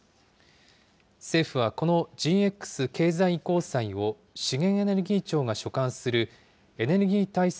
政府は、このＧＸ経済移行債を、資源エネルギー庁が所管するエネルギー対策